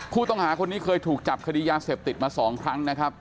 ผู้ต้องหาคนนี้เคยถูกจับคดียาเสพติดมา๒ครั้งนะครับ